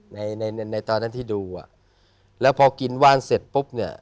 ในในตอนนั้นที่ดูอ่ะแล้วพอกินว่านเสร็จปุ๊บเนี่ย